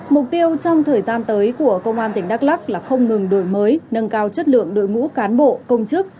mục tiêu trong thời gian tới của công an tỉnh đắk lắc là không ngừng đổi mới nâng cao chất lượng đội ngũ cán bộ công chức